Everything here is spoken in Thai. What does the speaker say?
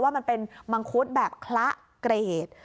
มันเป็นมังคุดแบบคละเกรด